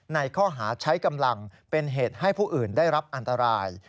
ในข้อหาใช้กำลังเป็นเหตุให้ผู้อื่นได้รับอันตราย